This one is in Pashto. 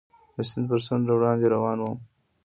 د سیند پر څنډه وړاندې روان ووم.